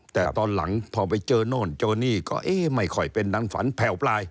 แต่ตอนหลังพอไปเจอโน่นเจอนี่ก็เอ๊ะไม่ค่อยเป็นนางฝันแผ่วปลาย